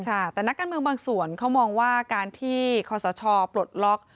ค่ะแต่นักการเมืองบางส่วนเขามองว่าการที่คอสชปลดล็อก